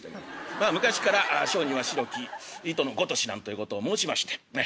まあ昔から「小児は白き糸のごとし」なんということを申しましてねっ。